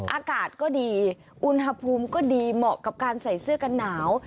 อากาศก็ดีอุณหภูมิก็ดีเหมาะกับการใส่เสื้อกันหนาว